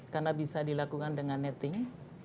karena bisa dilakukan dengan netting